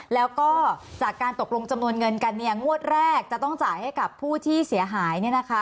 แล้วก็จากการตกลงจำนวนเงินกันงวดแรกจะต้องจ่ายให้กับผู้ที่เสียหาย